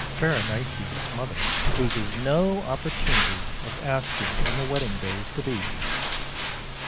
Berenice's mother loses no opportunity of asking when the wedding day is to be.